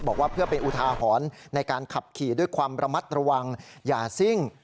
บอกว่าเพื่อเป็นอุทาหรณ์ในการขับขี่ด้วยความระมัดระวังอย่าซิ่ง